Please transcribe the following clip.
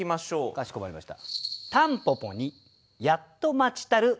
かしこまりました。